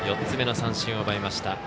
４つ目の三振を奪いました。